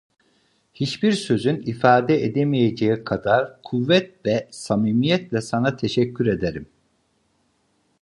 Hiçbir sözün ifade edemeyeceği kadar kuvvet ve samimiyetle: "Sana teşekkür ederim."